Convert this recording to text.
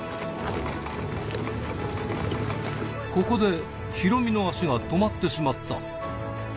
ここで、ヒロミの足が止まってしまった。